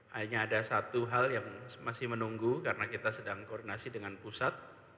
hanya ada satu hal yang masih menunggu karena kita sedang koordinasi dengan pusat